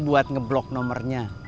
buat ngeblok nomernya